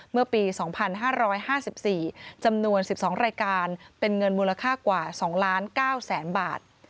เมื่อปี๒๕๕๔จำนวน๑๒รายการเป็นเงินมูลค่ากว่า๒ล้าน๙แสนบาท